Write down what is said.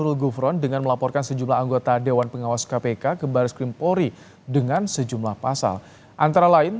putusannya sudah selesai ini putusannya sudah selesai